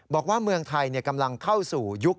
บอกว่าเมืองไทยกำลังเข้าสู่ยุค